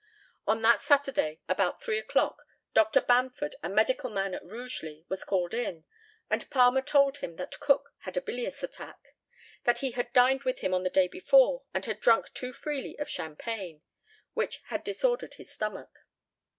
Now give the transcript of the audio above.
On that Saturday, about three o'clock, Dr. Bamford, a medical man at Rugeley, was called in, and Palmer told him that Cook had a bilious attack that he had dined with him on the day before, and had drunk too freely of champagne, which had disordered his stomach.